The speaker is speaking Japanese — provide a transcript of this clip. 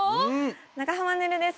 長濱ねるです